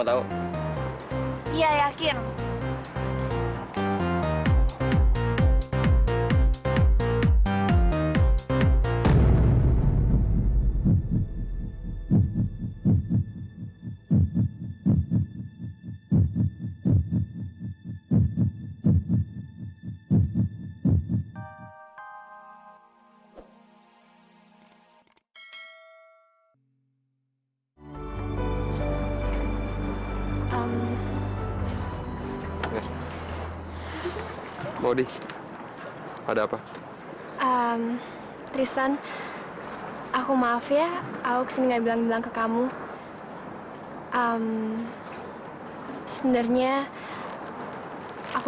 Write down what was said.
sampai jumpa di video selanjutnya